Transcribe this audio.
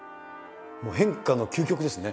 変化の究極ですね。